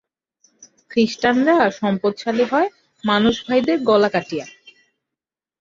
খ্রীষ্টানরা সম্পত্তিশালী হয় মানুষ-ভাইদের গলা কাটিয়া।